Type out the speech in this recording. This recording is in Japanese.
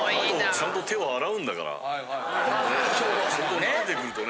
ちゃんと手を洗うんだから。